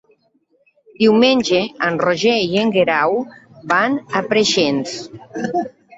Diumenge en Roger i en Guerau van a Preixens.